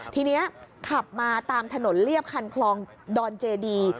ทีนี้ขับมาตามถนนเรียบคันคลองดอนเจดี